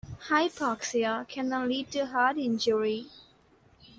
Hypoxia can then lead to heart injury.